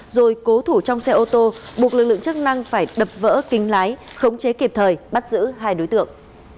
rồi cố thủ trong xe ô tô buộc lực lượng chức năng phải đập vỡ kính lái khống chế kịp thời bắt giữ hai đối tượng